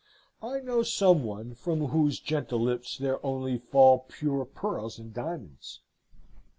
(I know some one from whose gentle lips there only fall pure pearls and diamonds.)